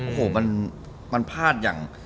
โอ้โหมันพลาดอย่าง